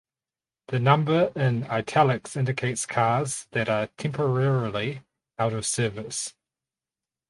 The number in "Italics" indicates cars that are temporarily out of service.